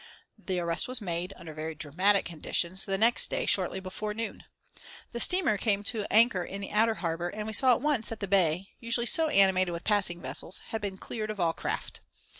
The arrest was made, under very dramatic conditions, the next day shortly before noon. The steamer came to anchor in the outer harbour, and we saw at once that the bay, usually so animated with passing vessels, had been cleared of all craft.